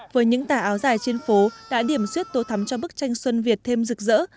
với những tà áo dài trên phố đã điểm suyết tô thắm cho bức tranh xuân việt thêm rực rỡ